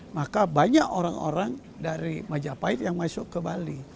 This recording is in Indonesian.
maka banyak orang orang dari majapahit yang masuk ke bali